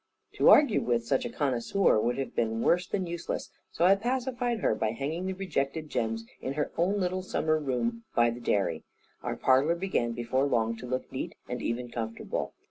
To argue with such a connoisseur would have been worse than useless; so I pacified her by hanging the rejected gems in her own little summer room by the dairy. Our parlour began before long to look neat and even comfortable.